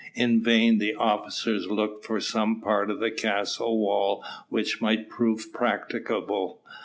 In vain the officers looked for some part of the castle wall which might prove practicable.